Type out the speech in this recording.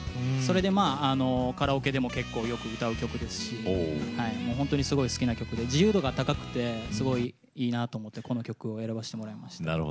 それでまあカラオケでも結構よく歌う曲ですしほんとにすごい好きな曲で自由度が高くてすごいいいなと思ってこの曲を選ばせてもらいました。